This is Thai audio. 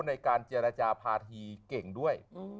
ในการเจรจาภาษีเก่งด้วย